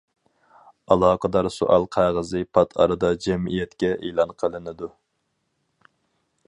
ئالاقىدار سوئال قەغىزى پات ئارىدا جەمئىيەتكە ئېلان قىلىنىدۇ.